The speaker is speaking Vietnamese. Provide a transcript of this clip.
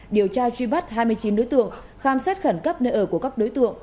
điều tra truy bắt hai mươi chín đối tượng khám xét khẩn cấp nơi ở của các đối tượng